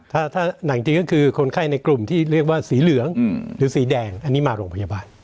ถ้าหนักจริงก็คือคนไข้ในกลุ่มที่เรียกว่าสีเหลืองหรือสีแดงอันนี้มาโรงพยาบาล